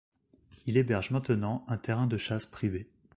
Il héberge maintenant un terrain de chasse privé.